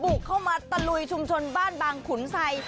เข้ามาตะลุยชุมชนบ้านบางขุนไซ